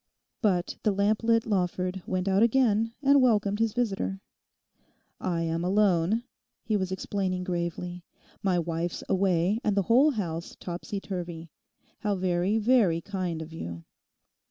But the lamp lit Lawford went out again and welcomed his visitor. 'I am alone,' he was explaining gravely, 'my wife's away and the whole house topsy turvy. How very, very kind of you!